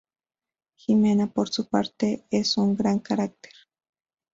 Jimena, por su parte, es un gran carácter.